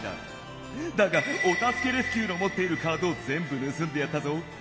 だがお助けレスキューのもっているカードをぜんぶぬすんでやったぞ。